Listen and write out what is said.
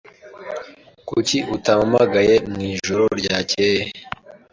Kuki utarampamagaye mwijoro ryakeye?